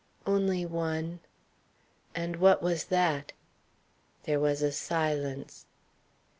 "Only one." "And what was that?" There was a silence.